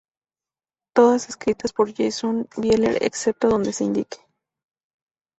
Todas escritas por Jason Bieler excepto donde se indique.